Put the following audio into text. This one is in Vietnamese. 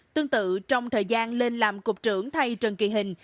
tương tự trong thời gian lên làm cục trưởng thay trần kỳ hình